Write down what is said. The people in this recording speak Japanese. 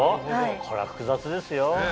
これは複雑ですよ。